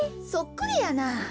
そっくりやな。